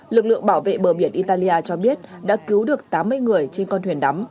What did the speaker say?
lực lượng bảo vệ bờ biển italia cho biết đã cứu được tám mươi người trên con thuyền đắm